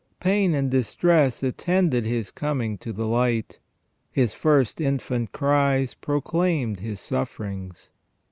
Pain and distress attended his coming to the light. His first infant cries proclaimed his sufferings.